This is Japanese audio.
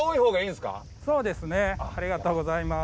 ありがとうございます。